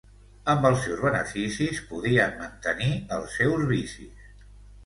Amb els seus beneficis podien mantenir els seus vicis.